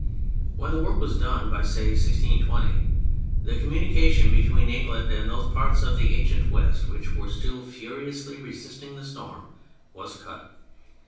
When the work was done, say by 1620, the communication between England and those parts of the ancient West, which were still furiously resisting the storm, was cut.